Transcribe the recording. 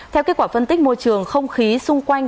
theo kết quả phân tích môi trường không khí xung quanh